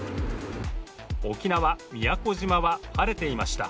沖縄・宮古島は晴れていました。